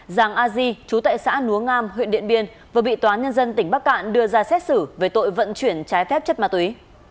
giàng a di trú tại xã núa ngam huyện điện biên vừa bị tòa nhân dân tỉnh bắc cạn đưa ra xét xử về tội vận chuyển trái phép chất ma túy